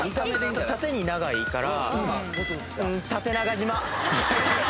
縦に長いから。